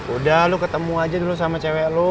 udah lu ketemu aja dulu sama cewek lu